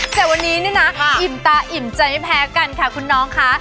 แต่วันนี้เนี่ยนะอิ่มตาอิ่มใจไม่แพ้กันค่ะคุณน้องค่ะ